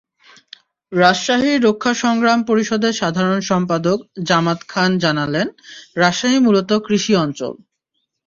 রাজশাহী রক্ষা সংগ্রাম পরিষদের সাধারণ সম্পাদক জামাত খান জানালেন, রাজশাহী মূলত কৃষি অঞ্চল।